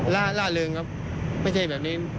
ล่าล่าเริงครับไม่ใช่แบบนี้